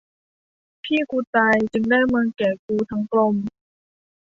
พี่กูตายจึงได้เมืองแก่กูทั้งกลม